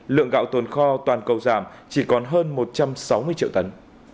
lượng gạo tồn kho toàn cầu giảm chỉ còn hơn một trăm sáu mươi triệu tấn